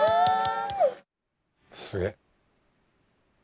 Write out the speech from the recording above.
すげえ。